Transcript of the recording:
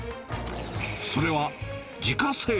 それは自家製麺。